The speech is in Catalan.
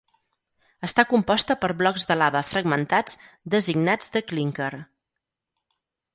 Està composta per blocs de lava fragmentats designats de clínquer.